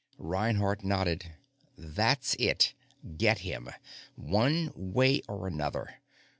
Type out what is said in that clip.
Reinhardt nodded. "That's it. Get him. One way or another.